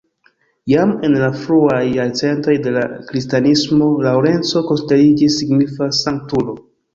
Jam en la fruaj jarcentoj de la kristanismo Laŭrenco konsideriĝis signifa sanktulo.